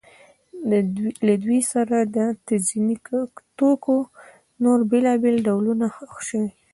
له دوی سره د تزیني توکو نور بېلابېل ډولونه ښخ شوي